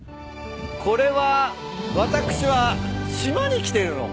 これは私は島に来ているのか。